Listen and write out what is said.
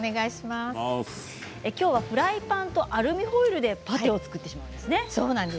きょうはフライパンとアルミホイルでパテを作ってしまうんですね。